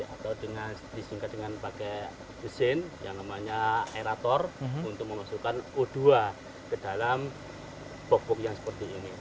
atau disingkat dengan pakai mesin yang namanya aerator untuk mengusulkan u dua ke dalam popok yang seperti ini